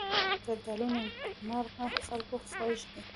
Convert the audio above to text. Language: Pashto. زردالو د نېکمرغه خلکو خوږ دی.